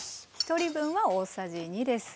１人分は大さじ２です。